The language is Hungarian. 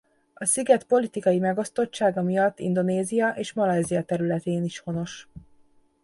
A sziget politikai megosztottsága miatt Indonézia és Malajzia területén is honos.